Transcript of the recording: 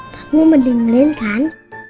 pak mau mending mending kan